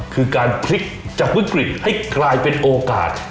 คือการพลิกจากวิกฤตให้กลายเป็นโอกาส